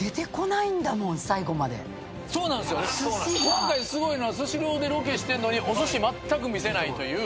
今回すごいのはスシローでロケしてんのにおすしまったく見せないという。